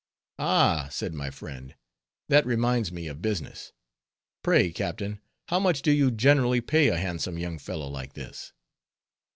"Ah!" said my friend, "that reminds me of business. Pray, captain, how much do you generally pay a handsome young fellow like this?"